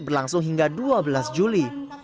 berlangsung hingga dua belas juli